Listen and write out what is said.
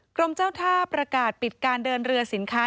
กรมเจ้าท่าประกาศปิดการเดินเรือสินค้า